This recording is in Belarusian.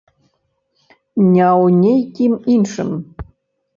Не ў нейкім іншым.